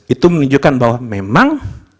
itu menunjukkan bahwa memang